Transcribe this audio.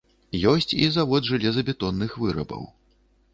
Ёсць і завод жалезабетонных вырабаў.